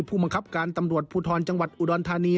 ผู้บังคับการตำรวจภูทรจังหวัดอุดรธานี